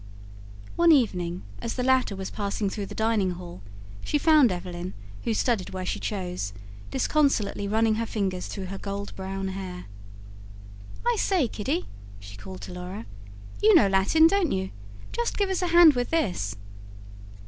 One evening, as the latter was passing through the dining hall, she found Evelyn, who studied where she chose, disconsolately running her fingers through her gold brown hair. "I say, Kiddy," she called to Laura. "You know Latin, don't you? Just give us a hand with this."